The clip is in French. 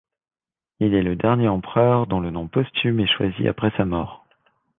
Il est le dernier empereur dont le nom posthume est choisi après sa mort.